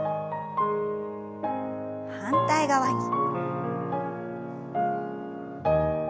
反対側に。